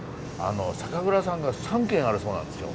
酒蔵さんが３軒あるそうなんですよ。